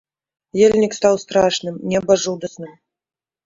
Ельнік стаў страшным, неба жудасным.